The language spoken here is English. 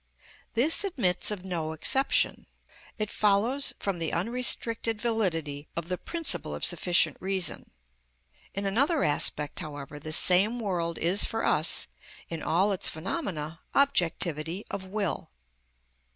This admits of no exception: it follows from the unrestricted validity of the principle of sufficient reason. In another aspect, however, the same world is for us, in all its phenomena, objectivity of will.